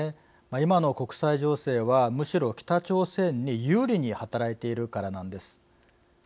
今の国際情勢は、むしろ北朝鮮に有利に働いているからなんです。